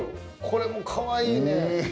これもかわいいねん。